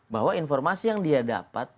bahwa informasi yang dia dapat